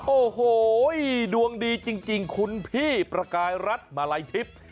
โอ้โหดวงดีจริงคุณพี่ประกายรัฐมาลัยทิพย์